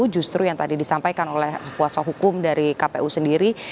justru yang tadi disampaikan oleh kuasa hukum dari kpu sendiri